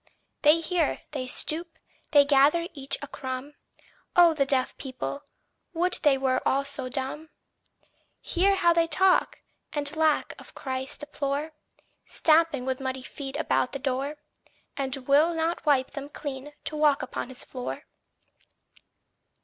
They hear, they stoop, they gather each a crumb. Oh the deaf people! would they were also dumb! Hear how they talk, and lack of Christ deplore, Stamping with muddy feet about the door, And will not wipe them clean to walk upon his floor!